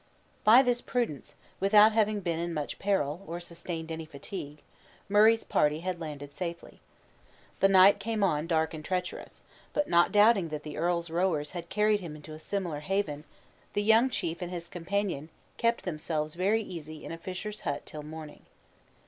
By this prudence, without having been in much peril, or sustained any fatigue, Murray's party had landed safely. The night came on dark and tremendous; but not doubting that the earl's rowers had carried him into a similar haven, the young chief and his companion kept themselves very easy in a fisher's hut till morning.